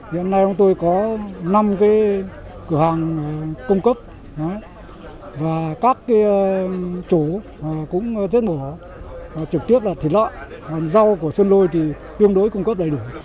hiện nay chúng tôi có năm cái cửa hàng cung cấp và các cái chỗ cũng rất mở trực tiếp là thịt lọ rau của sơn lôi thì tương đối cung cấp đầy đủ